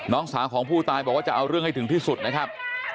น้องสาวของผู้ตายบอกว่าจะเอาเรื่องให้ถึงที่สุดนะครับ